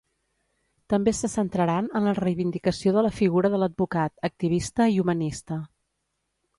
També se centraran en la reivindicació de la figura de l'advocat, activista i humanista.